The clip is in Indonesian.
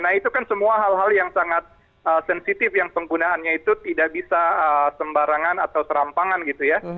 nah itu kan semua hal hal yang sangat sensitif yang penggunaannya itu tidak bisa sembarangan atau serampangan gitu ya